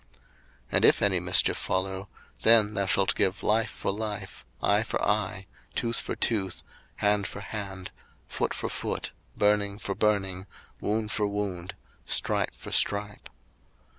02:021:023 And if any mischief follow, then thou shalt give life for life, 02:021:024 Eye for eye, tooth for tooth, hand for hand, foot for foot, 02:021:025 Burning for burning, wound for wound, stripe for stripe.